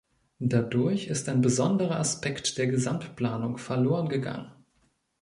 Dadurch ist ein besonderer Aspekt der Gesamtplanung verloren gegangen.